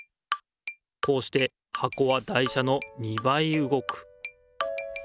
こうしてはこは台車の２ばいうごく。